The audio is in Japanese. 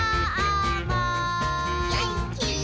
「げんきに」